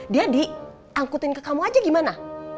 dia diangkutin ke kamu aja gimana